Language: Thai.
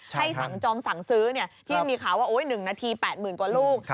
สั่งจองสั่งซื้อที่มีข่าวว่า๑นาที๘๐๐๐กว่าลูก